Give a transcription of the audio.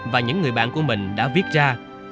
và những người bạn của mình đã viết ra